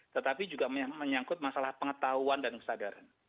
tetapi juga menyangkut masalah pengetahuan dan kesadaran